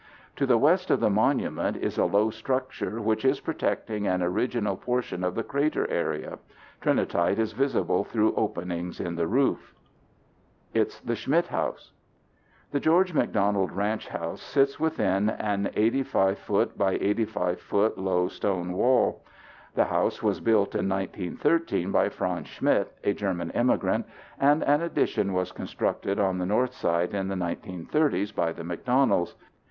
To the west of the monument is a low structure which is protecting an original portion of the crater area. Trinitite is visible through openings in the roof. It's the Schmidt house The George McDonald ranch house sits within an 85'x85' low stone wall. The house was built in 1913 by Franz Schmidt, a German immigrant, and an addition was constructed on the north side in the 1930's by the McDonalds.